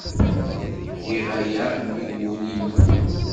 Giɣ aya nnig wul-inu!